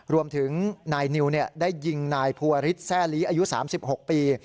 รวมถึงนายนิวได้ยิงนายพศรีอายุ๓๖ปี